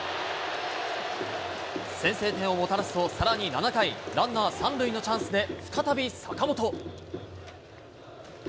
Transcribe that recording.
先制点をもたらすとさらに７回、ランナー３塁のチャンスで、再び坂本。